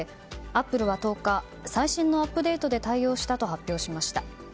アップルは１０日最新のアップデートで対応したと発表しました。